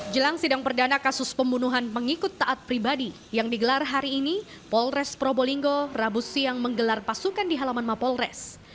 jelang sidang perdana kasus pembunuhan pengikut taat pribadi yang digelar hari ini polres probolinggo rabu siang menggelar pasukan di halaman mapolres